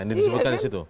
yang disebutkan di situ